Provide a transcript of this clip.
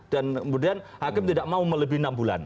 dan kemudian hakim tidak mau melebih enam bulan